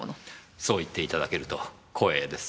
そう言っていただけると光栄です。